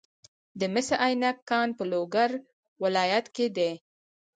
د مس عینک کان په لوګر ولایت کې دی.